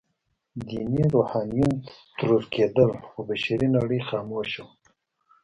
ديني روحانيون ترور کېدل، خو بشري نړۍ خاموشه وه.